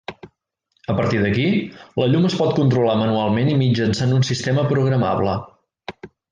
A partir d’aquí, la llum es pot controlar manualment i mitjançant un sistema programable.